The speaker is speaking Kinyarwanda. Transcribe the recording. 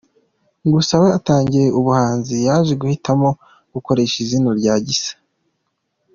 Gusa we atangiye ubuhanzi yaje guhitamo gukoresha izina rya Gisa.